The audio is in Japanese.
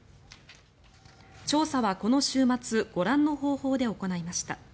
調査はこの週末ご覧の方法で行いました。